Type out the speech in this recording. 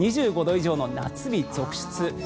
２５度以上の夏日続出。